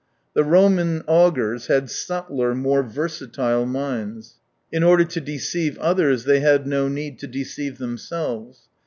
The Romans augurs had subtler, more versatile minds. In order to deceive others, they had no need to deceive themselves.